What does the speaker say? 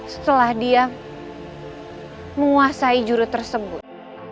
setelah dia menguasai juru tersebut